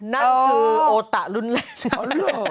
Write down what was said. นั่นคือโอตะรุ่นแรกน่ะ